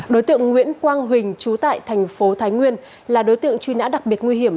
đối tượng nguyễn quang huỳnh trú tại thành phố thái nguyên là đối tượng truy nã đặc biệt nguy hiểm